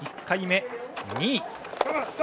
１回目、２位。